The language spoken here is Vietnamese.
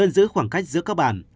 giữ khoảng cách giữa các bàn